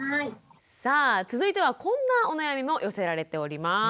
さあ続いてはこんなお悩みも寄せられております。